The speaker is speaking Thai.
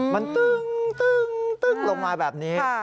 มันตึ้งตึ้งตึ้งลงมาแบบนี้